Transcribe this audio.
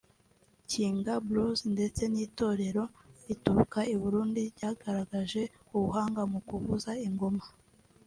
Kinga Blues ndetse n’itorero rituruka i Burundi ryagaragaje ubuhanga mu kuvuza ingoma